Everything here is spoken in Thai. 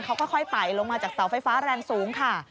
เขาค่อยไต่ลงมาจากเสาไฟฟ้าแรงสูงค่ะ